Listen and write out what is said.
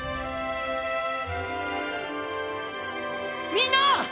みんな！